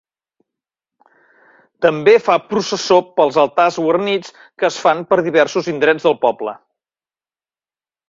També fa processó pels altars guarnits que es fan per diversos indrets del poble.